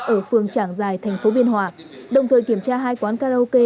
ở phường trảng giải thành phố biên hòa đồng thời kiểm tra hai quán karaoke